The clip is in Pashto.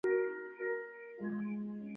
ایا زه باید سګرټ وڅکوم؟